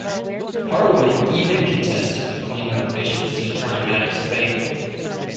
Parliament even contested the claim of the bishops to determine matters of faith.